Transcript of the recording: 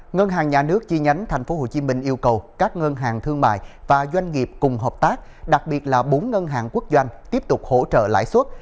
ngân hàng nhà nước chi nhánh tp hcm yêu cầu các ngân hàng thương mại và doanh nghiệp cùng hợp tác đặc biệt là bốn ngân hàng quốc doanh tiếp tục hỗ trợ lãi suất